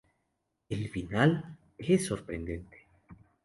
El final es sorprendente.